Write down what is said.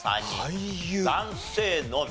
男性のみ。